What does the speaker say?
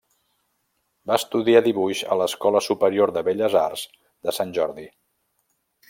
Va estudiar dibuix a l'Escola Superior de Belles Arts de Sant Jordi.